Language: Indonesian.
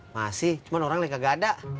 masih cuman orangnya gak ada